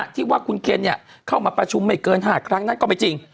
ที่ว่าคุณเคนเข้ามาประชุมไม่เกิน๕ครั้งนั้นก็ไม่จริง